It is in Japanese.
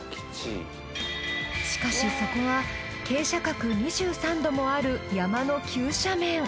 しかしそこは傾斜角２３度もある山の急斜面。